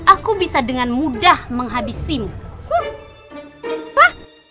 aku bisa dengan mudah menghabisimu